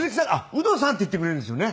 ウドさんって言ってくれるんですよね。